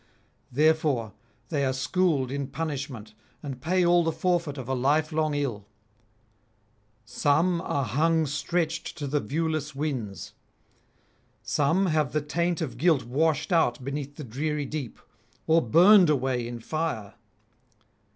Therefore they are schooled in punishment, and pay all the forfeit of a lifelong ill; some are hung stretched to the viewless winds; some have the taint of guilt washed out beneath the dreary deep, or burned away in fire.